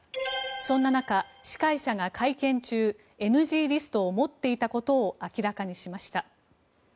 そんな中、司会者が会見中ＮＧリストを持っていたことを明らかにしました。